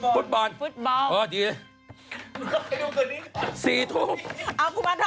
พรุ่งนี้วันพุธ